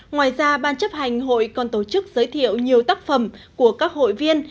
ngoài ra ban chấp hành hội còn tổ chức giới thiệu nhiều tác phẩm của các hội viên